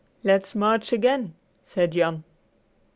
"Let's march again," said Jan.